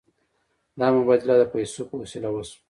دا مبادله د پیسو په وسیله وشوه.